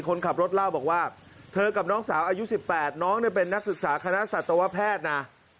คนขับรถเล่าบอกว่าเธอกับน้องสาวอายุ๑๘น้องเป็นนักศึกษาคณะสัตวแพทย์นะ